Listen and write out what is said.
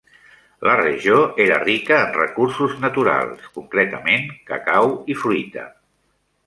La regió era rica en recursos naturals, concretament, cacau i fruita.